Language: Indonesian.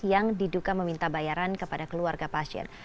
yang diduga meminta bayaran kepada keluarga pasien